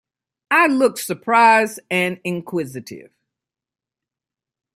I looked surprised and inquisitive.